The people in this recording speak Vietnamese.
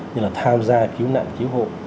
như là tham gia cứu nạn cứu hộ